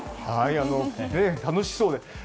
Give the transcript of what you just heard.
楽しそうですね。